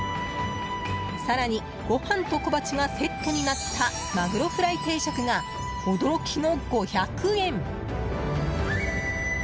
更に、ご飯と小鉢がセットになったマグロフライ定食が驚きの５００円。